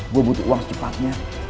gua butuh uang secepatnya